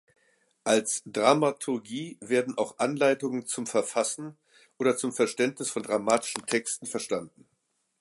Als "Dramaturgie" werden auch Anleitungen zum Verfassen oder zum Verständnis von dramatischen Texten verstanden.